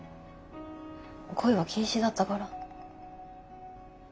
恋は禁止だったから。